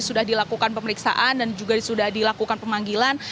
sudah dilakukan pemeriksaan dan juga sudah dilakukan pemanggilan